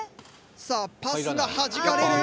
さあパスがはじかれる。